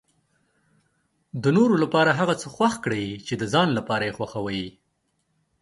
د نورو لپاره هغه څه خوښ کړئ چې د ځان لپاره یې خوښوي.